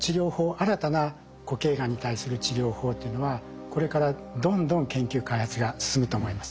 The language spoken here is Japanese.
新たな固形がんに対する治療法というのはこれからどんどん研究開発が進むと思います。